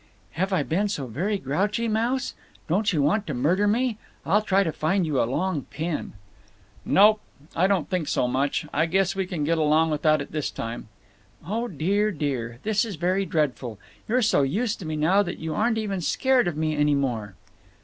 "Have I been so very grouchy, Mouse? Don't you want to murder me? I'll try to find you a long pin." "Nope; I don't think so, much. I guess we can get along without it this time." "Oh dear, dear! This is very dreadful. You're so used to me now that you aren't even scared of me any more."